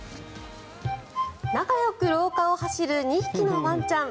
仲よく廊下を走る２匹のワンちゃん。